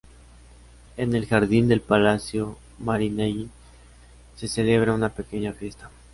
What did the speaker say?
En el Jardín del Palacio Marinelli se celebra una pequeña fiesta.